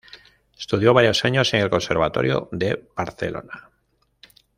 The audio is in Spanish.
Estudió varios años en el Conservatorio de Barcelona.